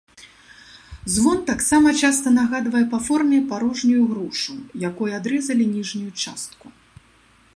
Звон таксама часта нагадвае па форме парожнюю грушу, якой адрэзалі ніжнюю частку.